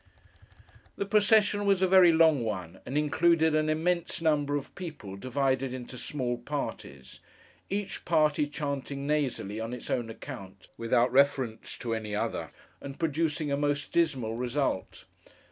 The procession was a very long one, and included an immense number of people divided into small parties; each party chanting nasally, on its own account, without reference to any other, and producing a most dismal result.